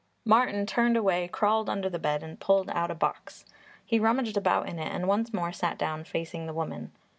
Martin turned away, crawled under the bed and pulled out a box. He rummaged about in it and once more sat down facing the woman.